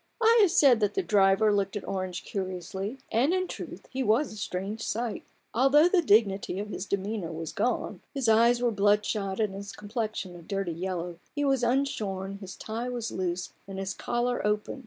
I have said that the driver looked at Orange curiously ; and in truth he was a strange sight. All the dignity of his demeanour was gone : his eyes were bloodshot, and his complexion a dirty yellow : he was unshorn, his tie was loose, and his collar open.